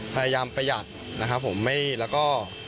พยายามประหยัดนะครับผมไม่แล้วก็